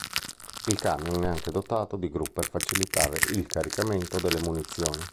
Il camion è anche dotato di gru per facilitare il caricamento delle munizioni.